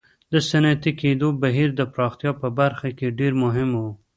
د صنعتي کېدو بهیر د پراختیا په برخه کې ډېر مهم و.